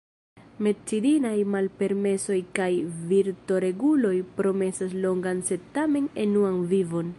Medicinaj malpermesoj kaj virtoreguloj promesas longan sed tamen enuan vivon.